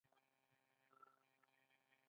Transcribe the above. • باران د خوښۍ سندره ده.